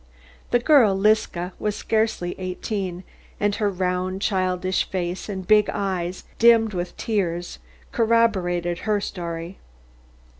The girl Liska was scarcely eighteen, and her round childish face and big eyes dimmed with tears, corroborated her story.